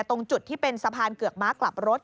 ตรงจุดที่เป็นสะพานเกือกม้ากลับรถ